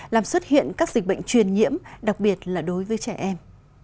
làm xuất hiện các dịch bệnh truyền nhiễm đặc biệt là đối với trẻ em